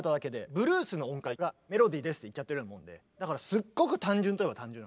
ブルースの音階がメロディーですって言っちゃってるようなもんでだからすっごく単純といえば単純。